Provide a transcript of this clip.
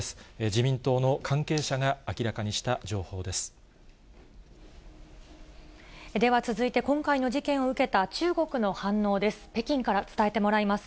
自民党の関係者が明らかにした情では続いて、今回の事件を受けた、中国の反応です。